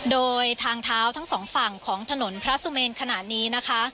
โดยทางเท้าทั้งสองฝั่งของถนนพระสุเมนขณะนี้นะคะ